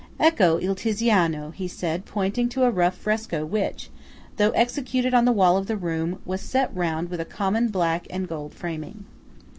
"Ecco il Tiziano!" said he, pointing to a rough fresco which, though executed on the wall of the room, was set round with a common black and gold framing.